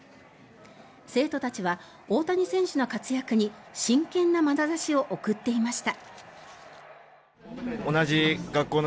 生徒たちは大谷選手の活躍に真剣なまなざしを送っていました。